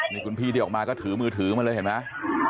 นี่คุณพี่เดี๋ยวออกมาก็ถือมือถือมาเลยเห็นมั้ยฮะ